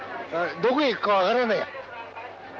どこへ行くか分からない。